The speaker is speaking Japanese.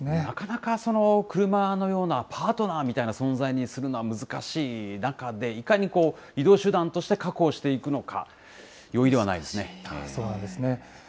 なかなかクルマのような、パートナーみたいな存在にするのは難しい中で、いかに移動手段として確保していくのか、容易ではなそうなんですね。